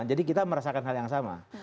jadi kita merasakan hal yang sama